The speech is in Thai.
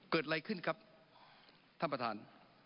เกิดอะไรขึ้นครับท่านประธาน